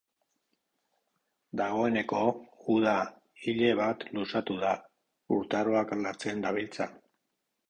Hori dela eta, gertatutakoa ez zela ekintza isolatua izan azpimarratu du.